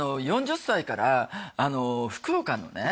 ４０歳から福岡のね